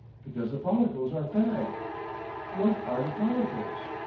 Because the follicles are fagged. What are the follicles?..."